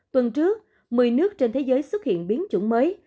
tuần trước một mươi nước trên thế giới xuất hiện biến chủng mới